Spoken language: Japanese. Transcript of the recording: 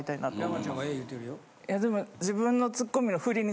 いやでも。